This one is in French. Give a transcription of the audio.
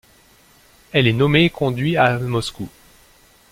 Elle est nommée et conduit à Moscou.